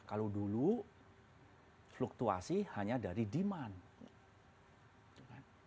kalau dulu fluktuasi hanya dari demand